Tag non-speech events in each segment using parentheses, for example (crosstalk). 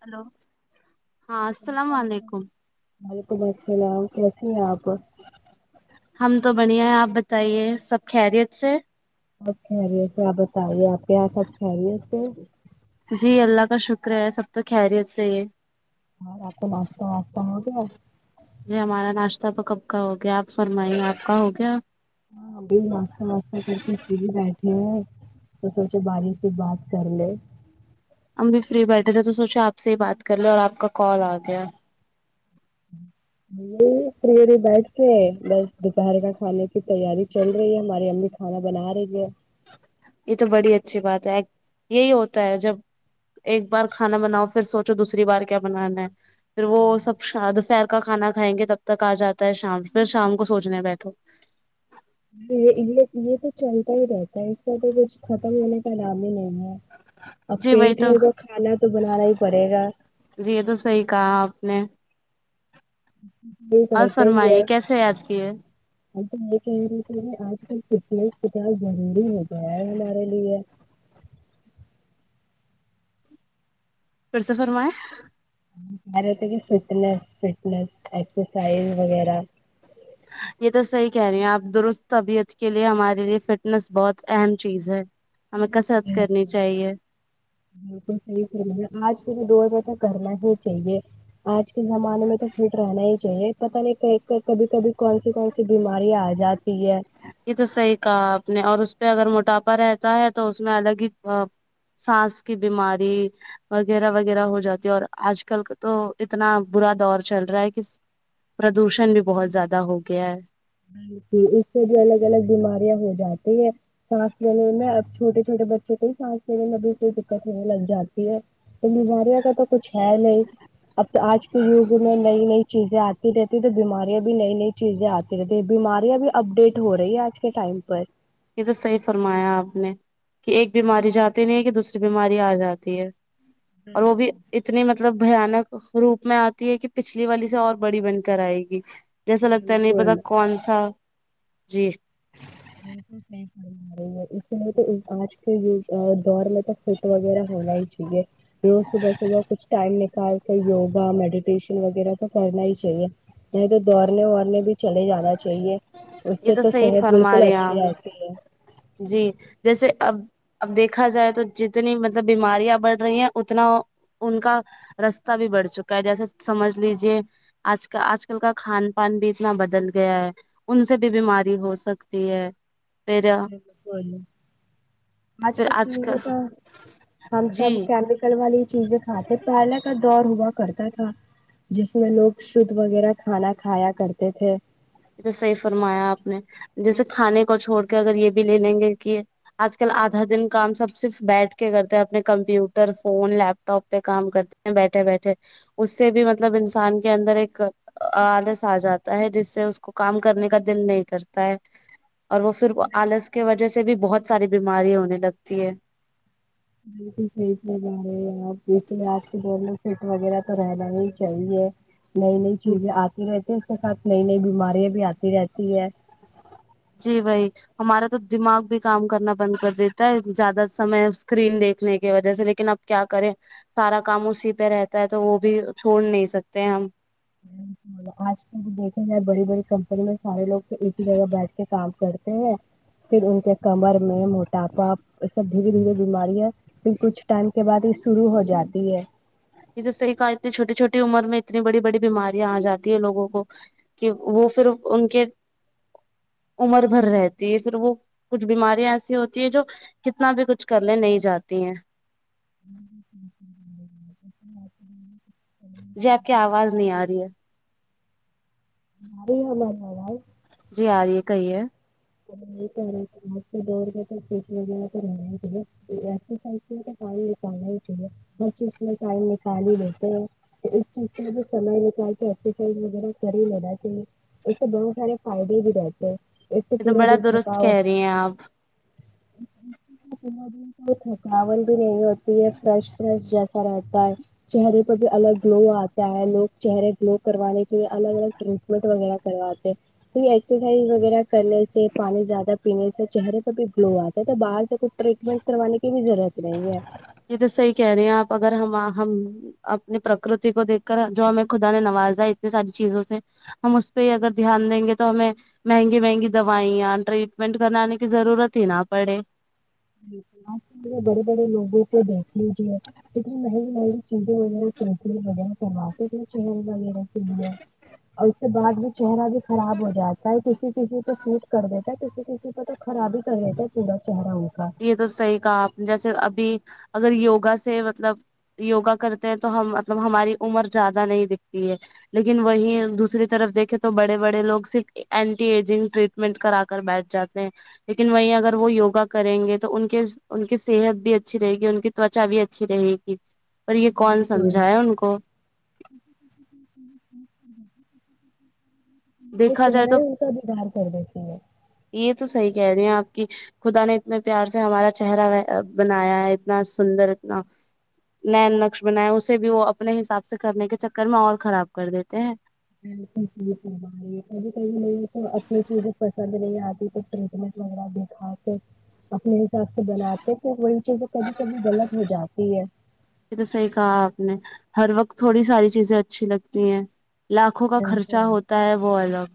hello (unintelligible) ہاں اللام السلام و علیکم وعلیکم السلام کیسے ہیں آپ (unintelligible) ہم تو بڑھیا ہے آپ بتائیے سب خیریت سے اچھے ار ا کیا آپ بتائیے آپ کیا سب کھ رہی ا سے جی اللہ کا شکر ہے سب تو خیریت سے یہ اور آپ کا ناشتہ واشہ ہو گیا (unintelligible) جی ہمارا ناشتہ تو کب کا ہو گیا آپ فرمائی آپ کا ہو گیا (unintelligible) ہاں ابھی ناشہ واشہ کر کے پھر بیٹھے ہیں تو سوچو بارش سے بات کر لے (unintelligible) ہم بھی فری بیٹھے تھے تو سوچے آپ سے ہی بات کر لیں اور آپ کا کال آ گیا یہ فریری بیٹھ کے بس دوپہر کا کھانے کی تیاری چل رہی ہے ہماری امی کھانا بنا رہی ہے (unintelligible) یہ تو بڑی اچھی بات ہے یہی ہوتا ہے جب ایک بار کھانا بناؤ پھر سوچو دوسری بار کیا بنانا ہے پھر وہ سب دوپہر کا کھانا کھائیں گے تب تک آ جاتا ہے شام پھر شام کو سوچنے بیٹھو یہ یہ تو چلتا ہی رہتا ہے اس کا تو کچھ ختم ہونے کا نام ہی نہیں ہے (unintelligible) ا جی وہی پیٹ تو ہے کا کھانا تو بنانا ہی پڑے گا جی یہ تو صحیح کہا آپ نے (unintelligible) ہ (unintelligible) اور فرمائیے کیسے یاد کیے ہمب تو یہ کہہ رہے تھے آج کل کتنا اخ کتاب ضروری ہو گیا ہے ہمارے لیے پرسفر میں کیا رہ ہوتا کہ فٹس فٹس ایکسرسائز وغیرہ (unintelligible) کرنی چاہیے بالکل صحیح ہے آج مجھے دو روپئے تو کرنا ہی چاہیے (unintelligible) آج (unintelligible) کے زمانے میں تو فٹ رہنا ہے ایک پتہ نہیں کہ کر کبھی کبھی کون سی کون سی بیماری آ جاتی ہے یہ تو صحیح کہا آپ نے اور اس پہ اگر موٹاپا رہتا ہے تو اس میں الگ ہی سانس کی بیماری وغیرہ وغیرہ ہو جاتی ہے اور آج کل کا تو اتنا برا دور چل رہا ہے کہ پردوشن بھی بہت زیادہ ہو گیا ہے ہی (inaudible) ج اس سے بھی الگ الگ بیماریا ہو گی جاتی ہے سانس لینے میں اب چھوے چھوے بچوں کو ہی سانس لینے میں بھی کوئی دقت ہونے لگ جاتی ہے تو میںماریا کا تو کچھ ہے نہیں اب تو آج کے یگ میں نئی نئی چیزیں آتی رہتی تو بیماریاں بھی نئی نئی چیزیں آتی رہتی ہیں بیماریاں بھی اپ ڈیٹ ہو رہی ہے آج کے ٹائم پر یہ تو صحیح فرمایا آپ نے کہ ایک بیماری جاتی نہیں ہے کہ دوسری بیماری آ جاتی ہے اور وہ بھی اتنی مطلب بیاانک روپ میں آتی ہے کہ پچھلی والی سے اور بڑی بن کر آئے گی جیسا لگتا ہے نہیں پتا بالکل کون سا جی (unintelligible) بالکل صحیح پڑی رہی ہے اس لیے تو آج کےگ دور میں تو سٹ وغیرہ ہونا ہی چاہیے روز صبح صبح کچھ ٹائم نکال کے وگا میڈی ٹیشن وغیرہ تو کرنا ہی چاہیے یں تو دوڑنے وڑنے بھی چلے جانا چاہیے اس یہ سے تو صحیح صحت فرما بالکل رہے ہیں اچھی آپ رہتی ہے جی جیسے اب اب دیکھا جائے تو جتنی مطلب بیماریاں بڑھ رہی ہیں اتنا ان کا رستہ بھی بڑھ چکا ہے جیسے سمجھ لیجیے آج کا آج کل کا کھان پان بھی اتنا بدل گیا ہے ان سے بھی بیماری ہو سکتی ہے پ بالک آج کل چیز تھا ہم سب جی کیمیکل والی چیزیں کھاتے پہلے کا دور ہوا کرتا تھا جس میں لوگ شدھ وغیرہ کھانا کھایا کرتے تھے صحی فرمایا آپ نے جیسے کھانے کو چھوڑ کے اگر یہ بھی لے لیں گے کہ آج کل آدھا دن کام سب صرف بیٹھ کے کرتے ہیں اپنے کمپیوٹر فون لیپ ٹاپ پہ کام کرتے ہیں بیٹھے بیٹھے اس سے بھی مطلب انسان کے اندر ایک آلس آ جاتا ہے جس سے کو کام کرنے کا دل نہیں کرتا ہے اور وہ پھر آلس کی وجہ سے بھی بہت ساری بیماری ہونے لگتی ہے بالکل سیٹ لگا رہے ہیںپ اس لیے آج کے دور میں سٹ وغیرہ تو رہنا ہی چاہیے نئی نئی چیزیں آتی رہتی اس کے ساتھ نئی نئی بیماریاں بھی آتی رہتی ہے جی وہی ہمارا تو دماغ بھی کام کرنا بند کر دیتا ہے زیادہ سمے اسکرین دیکھنے کی وجہ سے لیکن اب کیا کریں سارا کام اسی پہ رہتا ہے تو وہ بھی چھوڑ نہیں سکتے ہم آج تک دیکھا جائے بڑی بڑی کمپنی میں سارے لوگ تو ایک ہی جگہ بیٹھ کے کام کرتے ہیں پھر ان کے کمر میں موٹاپا سب دھیرے دھیرے بیماریاں پھر کچھ ٹائم کے بعد یہ شروع ہو جاتی ہے یہ تو صحیح کہا اتنی چھوٹی چھوٹی عمر میں اتنی بڑی بڑی بیماریاں آ جاتی ہے لوگوں کو کہ وہ پھر ان کے عمر بھر رہتی ہے پھر وہ کچھ بیماریاں ایسی ہوتی ہے جو کتنا بھی کچھ کرنے نہیں جاتی ہیں جی آپ کی آواز نہیں آ رہی ہے باری ہو ہمار بائی جی آ رہی ہے کہیے یہی کہہ رہے تھے آج کے دور میں تو وغہ تور تو پ (unintelligible) ہر چیز میں ٹائم نکال ہی لیتے ہیں اس چیز سے سم نکال کے ایکسرسائز وغہ کر ہی لینا چاہیے اس سے بہت سارے فائدے بھی رہتے ہیں اس سے یہ تو پورا بڑا دن درست کہہ رہی ہیں آپ تھکل بھی رہی یہ فرش ف جیسا رہتا ہے چہرے پر بھی الگ گلو آتا ہے لوگ چہرے گلو کروانے کے لیے الگ الگ ٹریٹمنٹ وغیرہ کرواتے تو یہ ایکسرسائز وغیرہ کرنے سے پانی زیادہ پینے سے چہرے پر بھی گلو آتا ہے تو باہر سے کچھ ٹریٹمنٹ کروانے کی بھی ضرورت نہیں ہے یہ تو صحیح کہہ رہے ہیں آپ اگر ہم ہم اپنی پرکرتی کو دیکھ کر جو ہمیں خدا نے نوازا اتنی ساری چیزوں سے ہم اس پہ اگر دھیان دیں گے تو ہمیں مہنگی مہنگی دوائیاں ٹریٹمنٹ کرنانے کی ضرورت ہی نہ پڑے بڑے بڑے لوگ لوگ کو دیکھ لیجےک م ن چیزیں وغیرہ وہ سمات تھے چہر وغیرہ سے لی اور اس کے بعد بھی چہرہ بھی خراب ہو جاتا ہے کسی کسی کو یٹ کر دیتا کسی کسی کو تو خراب ہی کر لیتا ہے پورا چہرہوں کا یہ تو صحی کہا جیسے ابھی اگر یوگا سے مطلب یوگا کرتے ہیں تو ہم مطلب ہماری عمر زیادہ نہیں دکھتی ہے لیکن وہی دوسری طرف دیکھے تو بڑے بڑے لوگ صرف اینٹی ایجنگ ٹریٹمنٹ کرا کر بیٹھ جاتے ہیں لیکن وہی اگر وہ یوگا کریں گے تو ان کے ان کی صحت بھی اچھی رہے گی ان کی تچا بھی اچھی رہے گی اور یہ کون بالکل سمجھا ہے ان کو (unintelligible) یہ دیکھا جائے چہرہ تو ہی ان کا بیگار کر دیتی ہے یہ تو صحیح کہہ رہی ہیں آپ کی خدا نے اتنے پیار سے ہمارا چہرہ بنایا ہے اتنا سندر اتنا ن نقش بنایا اسے بھی وہ اپنے حساب سے کرنے کے چکر میں اور خراب کر دیتے ہیں بکل کب ک ل تو اپنی چیز پسند نہیں آ ٹٹمنٹ وغیرہ دکھا کے اپنے سخ بناتے تو وہی چیزیں کبھی کبھی غلط ہو جاتی ہے یہ تو صحیح کہا آپ نے ہر وقت تھوڑی ساری چیزیں اچھی لگتی ہیں لاکھوں کا خرچہ ہوتا ہے وہ الگ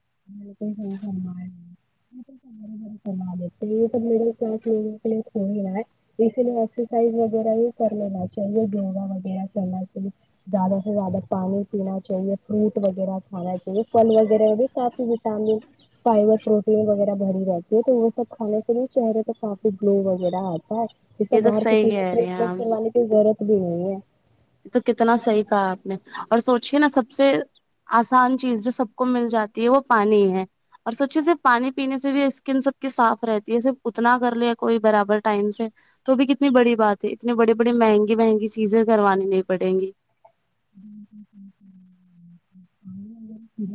اتے یہ سب مڈل کلاس لوگوں کے لیے تھو رہا ہے اسی لیے ایکسرسائز وغیرہ ہی کر لینا چاہیے یوگا وغیرہ کرنا چاہیے زیادہ سے زیادہ پانی پینا چاہیے فروٹ وغیرہ کھانا چاہیے پھل وغیرہ بھی کافی وٹامن فائبر پروٹین وغیرہ بری رہتی ہے تو وہ سب کھانے کے لیے چہرے پہ کافی گلو وغیرہ آتا ہے جیس یہ تو باہر کی صحیح چیزیں کہہ رہی ہیں ٹریٹمنٹ آپ کروے کی ضرورت اب نہیں ہے تو کتنا صحیح کہا آپ نے اور سوچے نا سب سے آسان چیز جو سب کو مل جاتی ہے وہ پانی ہے اور سوچے صرف پانی پینے سے بھی اسکن سب کی صاف رہتی ہے صرف اتنا کر لیا کوئی برابر ٹائم سے تو بھی کتنی بڑی بات ہے اتنی بڑی بڑی مہنگی مہنگی چیزیں کروانی نہیں پڑیں گی جی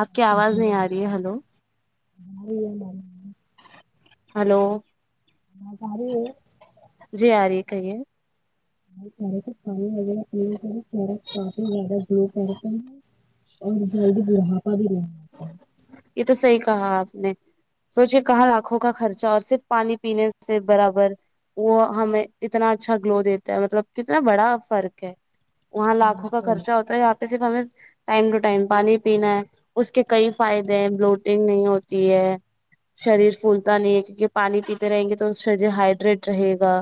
آپ کی آواز نہیں آ رہی ہے ہلو (inaudible) ہلو ہماری جی آاری کہی ہے ے ک ویر پیر کافی زیادہ گو پ اور جلدی بڑھاپا بھی نہیں (inaudible) یہ تو صحی کہا آپ نے سوچے کہاں لاکھوں کا خرچہ اور صرف پانی پینے سے برابر وہ ہمیں اتنا اچھا گلو دیتا ہے مطلب کتنا بڑا فرق ہے وہاں لاکھوں کا بالکل خرچ ہوتا ہے یہ صرف ہمیں ٹائم ٹو ٹائم پانی پینا ہے اس کے کئی فائدے ہیں بلوٹنگ نہیں ہوتی ہے شریر فولتا نہیں ہے کیونکہ پانی پیتے رہیں گے تو شریر ہائڈریٹ رہے گا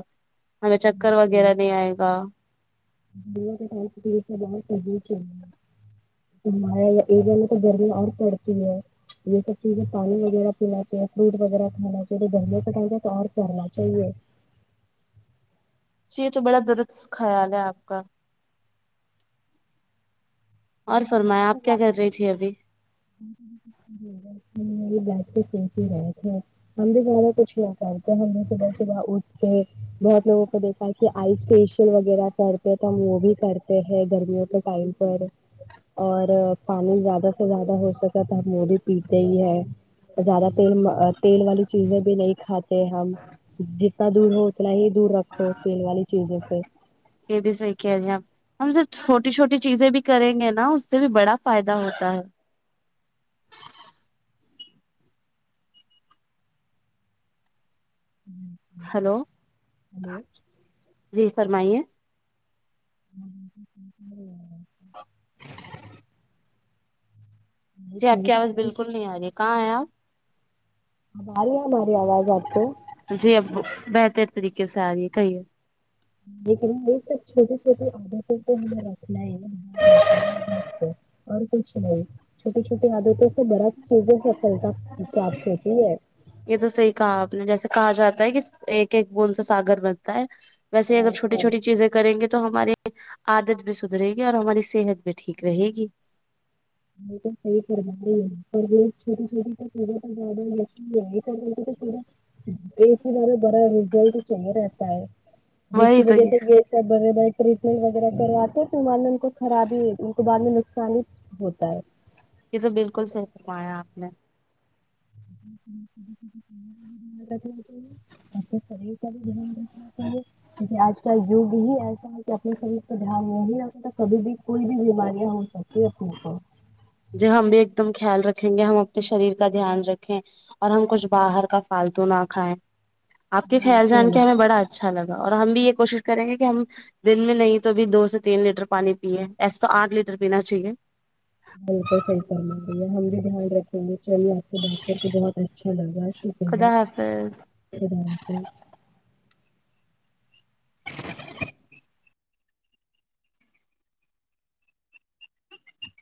ہمیں چکر وغیرہ نہیں آئے گا د کائی ب چاہی تو گرمی اور پڑتی ہے یہ سب چیزیں پانی وغیرہ پینا چاہیے فروٹ وغیرہ کھانا چاہیے تو گرمی کٹائی کا تو اور پڑنا چاہیے چ یہ تو بڑا درست خیال ہے آپ کا اور فرمایا تو آپ کیا زیادہ کر رہی تھی ابھی ہم بھی بہ کچھ نہیں کر تو میں ص بح صح بہت لوگوں کو دیکھا ہے کہ آئس فیشیل وغیرہ کرتے ہیں تو ہم وہ بھی کرتے ہیں گرمیوں کے ٹائم پر اور پانی زیادہ سے زیادہ ہو سکا تو ہم وہ بھی پیتے ہی ہیں زیادہ تیل تیل والی چیزیں بھی نہیں کھاتے ہم جتنا دور ہو اتنا ہی دور رکھو تیل والی چیزوں پہ یہ بھی صحیح کہہ رہے ہیں آپ ہم سب چھوٹی چھوٹی چیزیں بھی کریں گے نا اس سے بھی بڑا فائدہ ہوتا ہے ہلو جی فرمائیے ہ جی آپ کی ہماری آواز بالکل نہیں آ رہی ہے کہاں آئے آپ آ رہی ہے ہماری آواز آپ کو جی اب بہتر طریقے کیسے آ رہ ہے کہیے لیک یہ سب چھوٹی چھوٹی عادتوں کو ہمیں رکھنا ہی ب اور کچھ نہیں چھوٹی چھوٹی عادتوں سے بر چیزیں سفلتا پراپت ہوتی ہے یہ تو صحیح کہا آپ نے جیسے کہا جاتا ایک ایک بند سے ساگر بنتا ہے ویسے اور اگر چھوٹی اور چھوٹی چیزیں گ تو تو ہماری آادت بھی سدرے گی اور ہماری صحت بھی ٹھیک رہے گی یہ تو صحیح کرناے ہیں پر یہ چھوٹی چھوٹی تو پا تو زیادہ ل ہیئے چ تو سورا یہ س مرا برا ریزلٹ چلے رہتا ہے جس کی وہی تو وجہ سے یہ س بے ب ٹریٹمنٹ وغیرہ کرواتے ہیں تو بعد میں ان کو خرابی ان کو بعد میں نقصانی بھی ہوتا س یہ تو بالکل صحیح فرمایا آپ نے آپ سر کا جوں گ چاہے جیکے آج کیا یگ ہی ایسا ہے کہ اپنے شریر کا دھیان دوں گی کبھی بھی کوئی بھی بیماریاں ہو سکتی اپنےپ جی ہم بھی ایک دم خیال رکھیں گے ہم اپنے شریر کا دھیان رکھیں اور ہم کچھ باہر کا فالتو نہ کھائیں آپ کے خیال جان بالکل کے ہمیں بڑا اچھا لگتا اور ہم بھی یہ کوشش کریں گے کہ ہم دن میں نہیں تو بھی دو سے تین لیٹر پانی پیے ایسے تو آٹھ لیٹر پینا چاہیے بل تو صح کرم رہی ہے ہم بھی دھیان رکھیں گے چلیے آپ کے باتوں کو بہت اچھا لگا شکریہ خدا حافظ سے